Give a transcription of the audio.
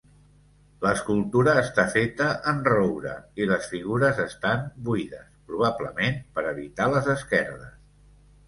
L'escultura està feta en roure i les figures estan buides, probablement per evitar les esquerdes.